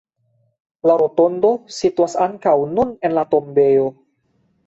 La rotondo situas ankaŭ nun en la tombejo.